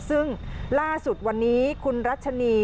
ซึ่งล่าสุดวันนี้คุณรัชนี